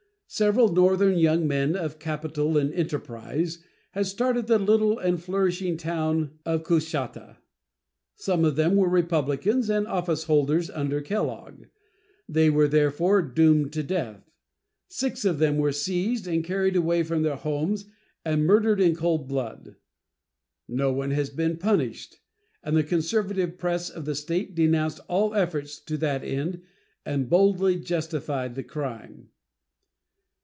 Several Northern young men of capital and enterprise had started the little and flourishing town of Coushatta. Some of them were Republicans and officeholders under Kellogg. They were therefore doomed to death. Six of them were seized and carried away from their homes and murdered in cold blood. No one has been punished, and the conservative press of the State denounced all efforts to that end and boldly justified the crime.